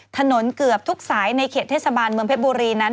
เกือบทุกสายในเขตเทศบาลเมืองเพชรบุรีนั้น